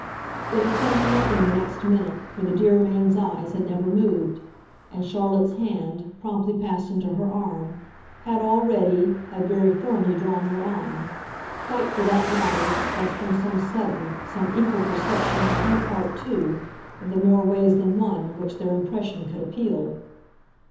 It had come to nothing the next minute, for the dear man's eyes had never moved, and Charlotte's hand, promptly passed into her arm, had already, had very firmly drawn her on quite, for that matter, as from some sudden, some equal perception on her part too of the more ways than one in which their impression could appeal.